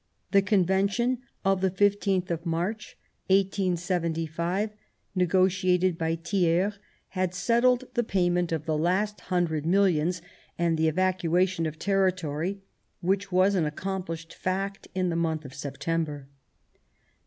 The Convention of the 15th of March, 1875, negotiated by Thiers, had settled the payment of the last hundred millions and the evacuation of territory, which was an accomplished fact in the month of September.